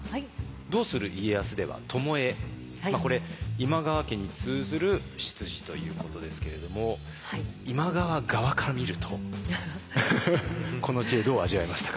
「どうする家康」では巴これ今川家に通ずる出自ということですけれども今川側から見るとこの知恵どう味わいましたか？